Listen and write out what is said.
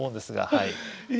はい。